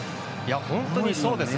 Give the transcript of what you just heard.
本当にそうですね。